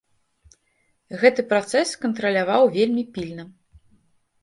Гэты працэс кантраляваў вельмі пільна.